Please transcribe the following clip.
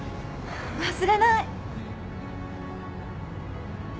忘れない！